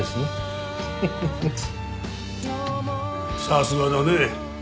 さすがだね。